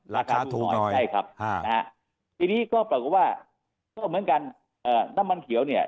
ราคาถูกหน่อยใช่ครับนะฮะทีนี้ก็ปรากฏว่าก็เหมือนกันน้ำมันเขียวเนี่ย